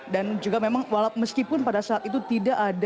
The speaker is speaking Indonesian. dan juga memang meskipun pada saat itu tidak ada